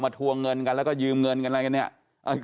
ทวงเงินกันแล้วก็ยืมเงินกันอะไรกันเนี่ย